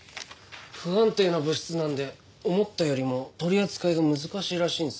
不安定な物質なので思ったよりも取り扱いが難しいらしいんですよね。